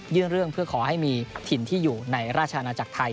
เรื่องเพื่อขอให้มีถิ่นที่อยู่ในราชอาณาจักรไทย